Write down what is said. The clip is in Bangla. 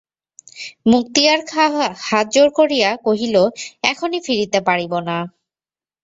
মুক্তিয়ার খাঁ হাত জোড় করিয়া কহিল, এখনই ফিরিতে পারিব না।